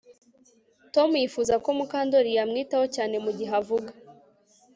Tom yifuza ko Mukandoli yamwitaho cyane mugihe avuga